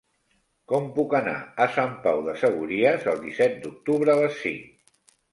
Com puc anar a Sant Pau de Segúries el disset d'octubre a les cinc?